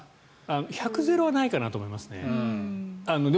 百ゼロはないかなと思いますね。